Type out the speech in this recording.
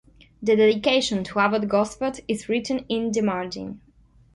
The dedication to Abbot Gozbert is written in the margin.